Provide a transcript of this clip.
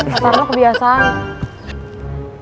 pak taro kebiasaan